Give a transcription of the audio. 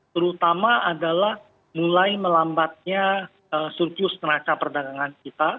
terutama adalah mulai melambatnya surplus neraca perdagangan kita